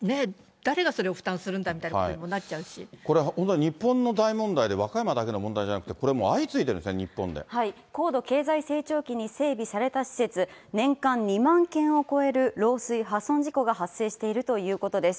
誰がそれを負担するんだみたいなこれ、本当に、日本の大問題で、和歌山だけの問題じゃなくて、これもう相次いでるんですね、日高度経済成長期に整備された施設、年間２万件を超える漏水・破損事故が発生しているということです。